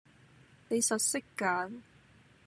你實識揀